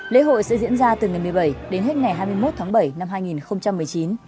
lễ hội sẽ diễn ra từ ngày một mươi bảy đến hết ngày hai mươi một tháng bảy năm hai nghìn một mươi chín